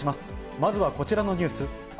まずはこちらのニュース。